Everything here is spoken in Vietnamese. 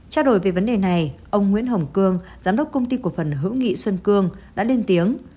trao đổi về vấn đề này ông nguyễn hồng cương giám đốc công ty cổ phần hữu nghị xuân cương đã lên tiếng